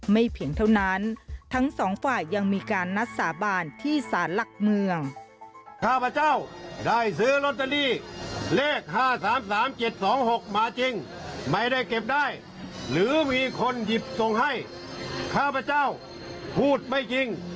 ไม่เพียงเท่านั้นทั้งสองฝ่ายยังมีการนัดสาบานที่ศาลักษณ์เมือง